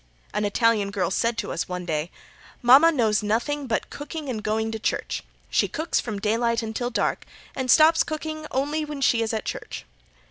An Italian girl said to us one day: "Mama knows nothing but cooking and going to church. She cooks from daylight until dark, and stops cooking only when she is at church."